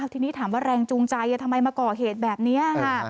ทีนี้ถามว่าแรงจูงใจทำไมมาก่อเหตุแบบนี้ค่ะ